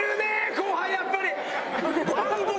後輩やっぱり。